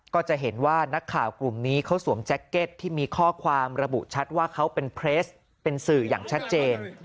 ก็จะเห็นว่านักข่าวกลุ่มนี้เขาสวมแจ็คเก็ตที่มีข้อความระบุชัดว่าเขาเป็นเพลสเป็นสื่ออย่างชัดเจน